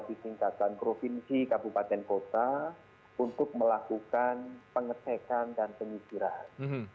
disingkatkan provinsi kabupaten kota untuk melakukan pengecekan dan penyelidikan